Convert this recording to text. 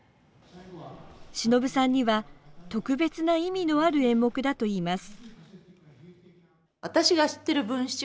しのぶさんには特別な意味のある演目だといいます。